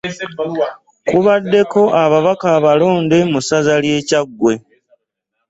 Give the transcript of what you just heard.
Kubaddeko Ababaka abalonde mu ssaza ly'e Kyaggwe